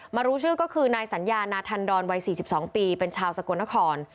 รู้ชื่อก็คือนายสัญญานาธันดรวัย๔๒ปีเป็นชาวสกลนคร